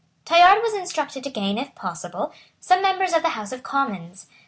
Tallard was instructed to gain, if possible, some members of the House of Commons.